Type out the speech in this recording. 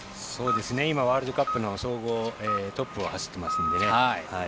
ワールドカップの総合トップを走っていますので。